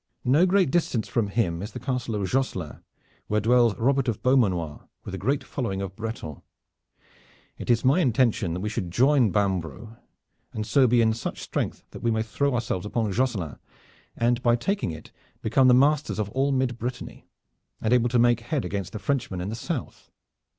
No great distance from him is the Castle of Josselin where dwells Robert of Beaumanoir with a great following of Bretons. It is my intention that we should join Bambro', and so be in such strength that we may throw ourselves upon Josselin, and by taking it become the masters of all mid Brittany, and able to make head against the Frenchmen in the south."